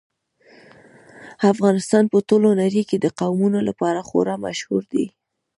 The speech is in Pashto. افغانستان په ټوله نړۍ کې د قومونه لپاره خورا مشهور دی.